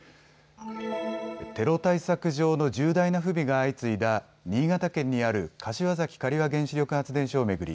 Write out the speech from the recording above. テロ対策上の重大な不備が相次いだ新潟県にある柏崎刈羽原子力発電所を巡り